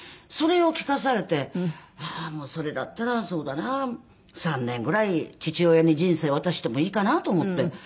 それを聞かされてああそれだったらそうだな３年ぐらい父親に人生渡してもいいかなと思って。